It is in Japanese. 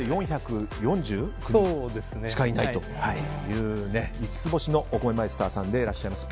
４４９人しかいないという５ツ星のお米マイスターでいらっしゃいます。